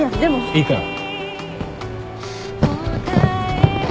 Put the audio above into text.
いいから。